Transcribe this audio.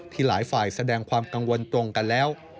หลายฝ่ายแสดงความกังวลตรงกันแล้ว